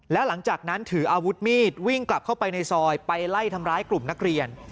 แล้วหลังจากนั้นถืออาวุธมีดวิ่งกลับเข้าไปในซอยไปไล่ทำร้ายกลุ่มนักเรียน